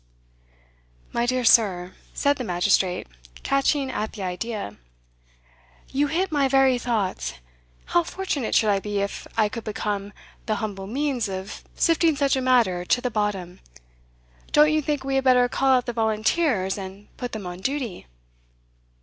"My dear sir," said the magistrate, catching at the idea, "you hit my very thoughts! How fortunate should I be if I could become the humble means of sifting such a matter to the bottom! Don't you think we had better call out the volunteers, and put them on duty?"